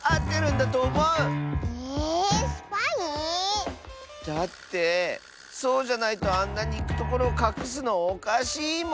ええっスパイ⁉だってそうじゃないとあんなにいくところをかくすのおかしいもん！